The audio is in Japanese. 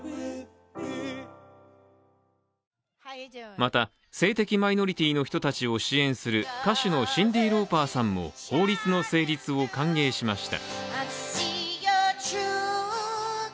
また性的マイノリティーの人たちを支援する歌手のシンディ・ローパーさんも法律の成立を歓迎しました。